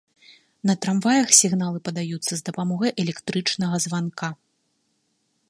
На трамваях сігналы падаюцца з дапамогай электрычнага званка.